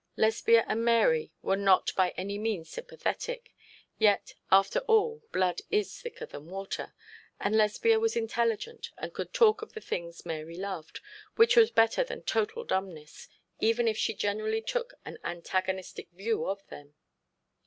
Lesbia and Mary were not by any means sympathetic; yet, after all, blood is thicker than water; and Lesbia was intelligent, and could talk of the things Mary loved, which was better than total dumbness, even if she generally took an antagonistic view of them.